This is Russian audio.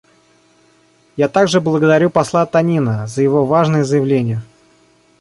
Я также благодарю посла Танина за его важное заявление.